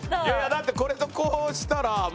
だってこれとこうしたらもう。